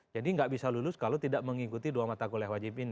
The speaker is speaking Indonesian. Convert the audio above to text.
jadi nggak bisa lulus kalau tidak mengikuti dua mata kuliah wajib ini